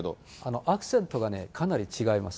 アクセントがかなり違います。